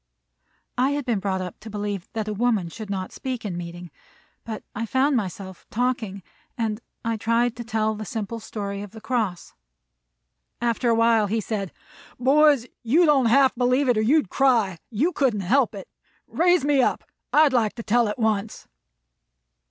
I had been brought up to believe that a woman should not speak in meeting, but I found myself talking, and I tried to tell the simple story of the cross. After a while he said: "Boys, you don't half believe it, or you'd cry; you couldn't help it. Raise me up. I'd like to tell it once."